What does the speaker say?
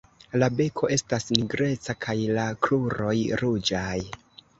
La beko estas nigreca kaj la kruroj ruĝaj.